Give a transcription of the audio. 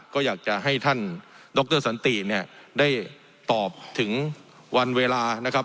ก็อยากจะให้ท่านดรสันติเนี่ยได้ตอบถึงวันเวลานะครับ